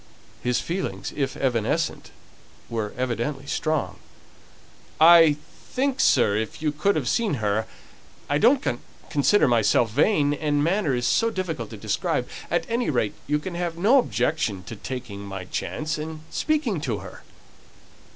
His feelings, if evanescent, were evidently strong. "I think, sir, if you could have seen her I don't consider myself vain, and manner is so difficult to describe. At any rate, you can have no objection to my taking my chance, and speaking to her."